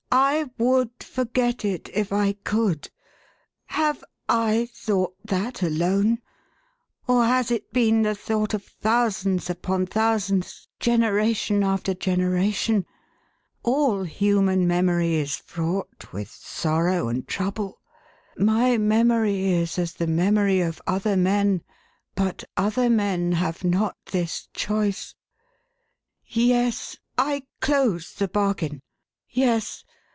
" I would forget it if I could ! Have / thought that, alone, or has it been the thought of thousands upon thousands, genera tion after generation ? All human memory is fraught with sorrow and trouble. My memory is as the memory of other men, but other men have not this choice. Yes, I close the bargain. Yes